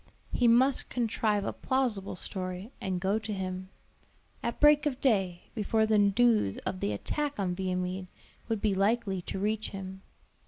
He must contrive a plausible story, and go to him; at break of day, before the news of the attack on Viamede would be likely to reach him.